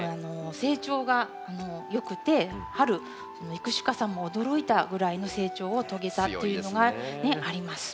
成長がよくて春育種家さんも驚いたぐらいの成長を遂げたっていうのがあります。